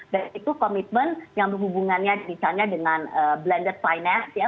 dan itu komitmen yang berhubungannya misalnya dengan blended finance